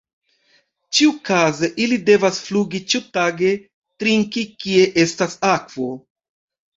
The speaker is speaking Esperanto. Ĉiukaze ili devas flugi ĉiutage trinki kie estas akvo.